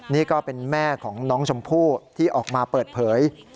นี่ก็เป็นแม่ของน้องชมพู่ที่ออกมาเปิดเผย